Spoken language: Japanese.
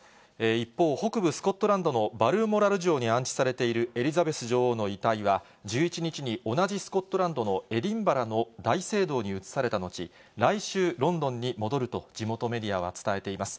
一方、北部スコットランドのバルモラル城に安置されているエリザベス女王の遺体は、１１日に同じスコットランドのエディンバラの大聖堂に移された後、来週、ロンドンに戻ると、地元メディアは伝えています。